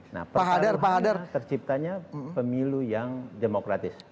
nah pertama hal terciptanya pemilu yang demokratis